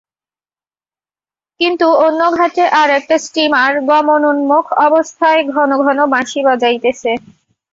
কিন্তু অন্য ঘাটে আর-একটা স্টীমার গমনোন্মুখ অবস্থায় ঘন ঘন বাঁশি বাজাইতেছে।